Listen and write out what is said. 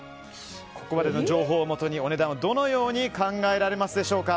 ここまでの情報をもとにお値段をどのように考えられますでしょうか。